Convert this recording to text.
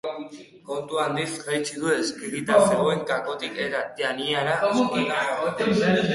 Kontu handiz jaitsi du eskegita zegoen kakotik eta Taniaren eskuetan jarri.